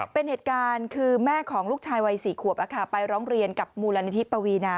เป็นเหตุการณ์คือแม่ของลูกชายวัย๔ขวบไปร้องเรียนกับมูลนิธิปวีนา